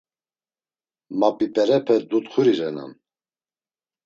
Map̌ip̌erepe Dutxuri renan.